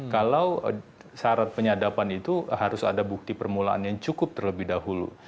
kalau syarat penyadapan itu harus ada bukti permulaan yang cukup terlebih dahulu